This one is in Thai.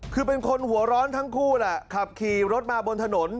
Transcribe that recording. คือเป็นคนหัวร้อนทั้งคู่แหละขับขี่รถมาบนถนน